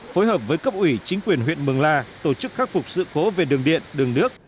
phối hợp với cấp ủy chính quyền huyện mường la tổ chức khắc phục sự cố về đường điện đường nước